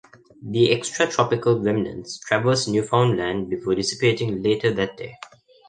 The extratropical remnants traversed Newfoundland before dissipating later that day.